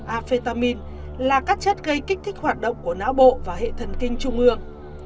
afetamin là các chất gây kích thích hoạt động của não bộ và hệ thần kinh trung ương